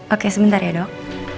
oke sebentar ya dok